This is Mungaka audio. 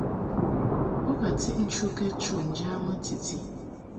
Bo ka tiʼ nchukɛd chu ŋjamɨ titi.